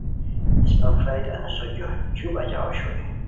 اسپہ فلائٹ انوسو جوش جو بجا اوشوئے۔